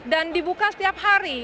dan dibuka setiap hari